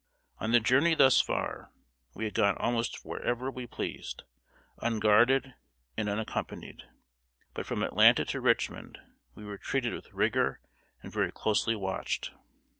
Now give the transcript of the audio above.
On the journey thus far, we had gone almost wherever we pleased, unguarded and unaccompanied. But from Atlanta to Richmond we were treated with rigor and very closely watched.